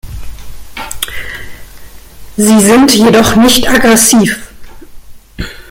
Sie sind jedoch nicht aggressiv.